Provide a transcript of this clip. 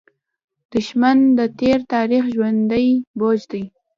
دښمن د تېر تاریخ ژوندى بوج دی